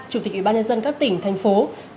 chủ tịch ủy ban nhân dân các tỉnh thành phố